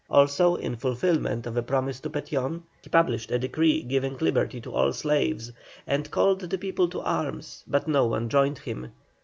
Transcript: Also, in fulfilment of a promise to Petión, he published a decree giving liberty to all slaves, and called the people to arms, but no one joined him.